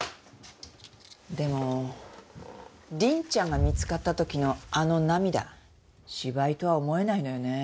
でも凛ちゃんが見つかった時のあの涙芝居とは思えないのよね。